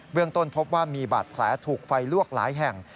เรื่องต้นพบว่ามีบาดแผลถูกไฟลวกหลายแห่ง